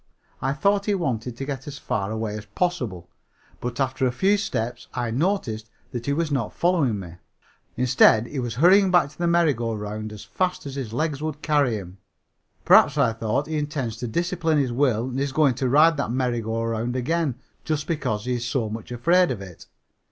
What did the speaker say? I thought he wanted to get as far away from it as possible, but after a few steps I noticed that he was not following me. Instead he was hurrying back to the merry go round as fast as his legs would carry him. "Perhaps," I thought, "he intends to discipline his will and is going to ride that merry go round again just because he is so much afraid of it."